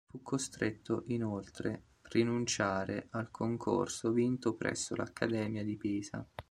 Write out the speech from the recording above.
Fu costretto, inoltre, rinunciare al concorso vinto presso l'Accademia di Pisa.